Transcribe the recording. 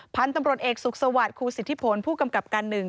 พันธุ์ตำรวจเอกสุขสวัสดิ์ครูสิทธิผลผู้กำกับการหนึ่ง